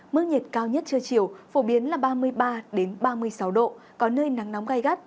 mức nhiệt cao nhất trưa chiều phổ biến là ba mươi ba ba mươi sáu độ có nơi nắng nóng gai gắt